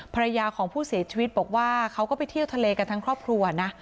ภรรยาของผู้เสียชีวิตบอกว่าเขาก็ไปเที่ยวทะเลกันทั้งครอบครัวนะ